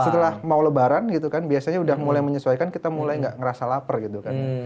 setelah mau lebaran gitu kan biasanya udah mulai menyesuaikan kita mulai nggak ngerasa lapar gitu kan